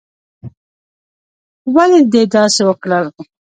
ولې دې داسې وکړل؟